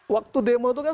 waktu demo itu kan